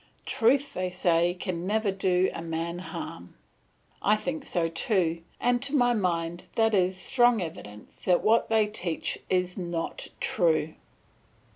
Truth, they say, can never do a man harm. I think so too, and to my mind that is strong evidence that what they teach is not true.